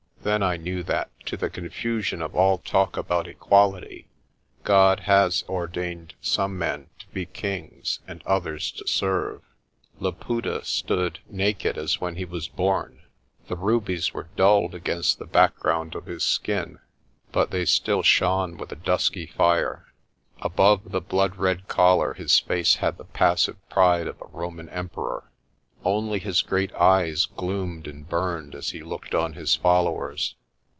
Then I knew that, to the confusion of all talk about equality, God has ordained some men to be kings and others to serve. Laputa stood, naked as when he was born. The rubies were dulled against the back ground of his skin, but they still shone with a dusky fire. Above the blood red collar his face had the passive pride of a Roman emperor. Only his great eyes gloomed and burned as he looked on his followers.